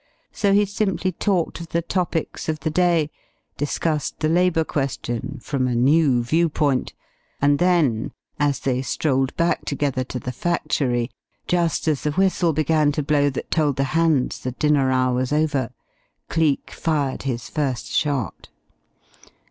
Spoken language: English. So he simply talked of the topics of the day, discussed the labour question from a new view point and then, as they strolled back together to the factory, just as the whistle began to blow that told the hands the dinner hour was over, Cleek fired his first shot.